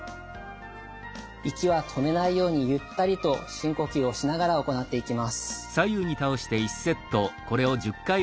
息は止めないようにゆったりと深呼吸をしながら行っていきます。